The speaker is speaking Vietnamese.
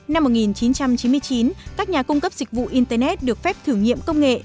năm một nghìn chín trăm chín mươi chín các nhà cung cấp dịch vụ internet được phép thử nghiệm công nghệ